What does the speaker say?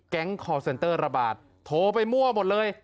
คอร์เซ็นเตอร์ระบาดโทรไปมั่วหมดเลย